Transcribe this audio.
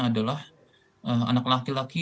adalah anak laki laki